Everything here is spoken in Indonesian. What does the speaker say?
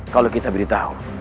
kalau kita beritahu